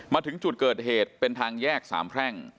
มาถึงจุดเกิดเหตุเป็นทางแยกสามแพร่ง